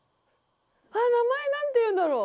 名前何ていうんだろう？